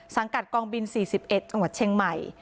กัดกองบิน๔๑จังหวัดเชียงใหม่